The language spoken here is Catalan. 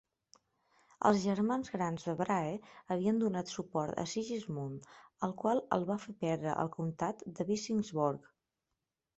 Els germans grans de Brahe havien donat suport a Sigismund, el qual els va fer perdre el comtat de Visingsborg.